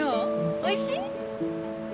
おいしい？